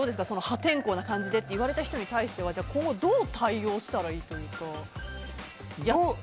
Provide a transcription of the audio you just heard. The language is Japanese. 破天荒な感じでと言われた人に対してはどう対応したらいいというか。